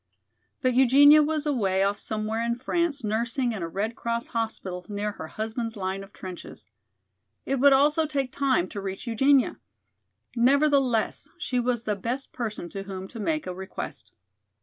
But Eugenia was away off somewhere in France nursing in a Red Cross hospital near her husband's line of trenches. It would also take time to reach Eugenia. Nevertheless she was the best person to whom to make a request.